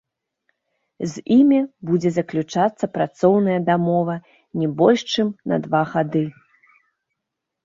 З імі будзе заключацца працоўная дамова не больш, чым на два гады.